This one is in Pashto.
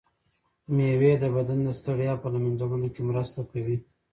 مېوې د بدن د ستړیا په له منځه وړلو کې مرسته کوي.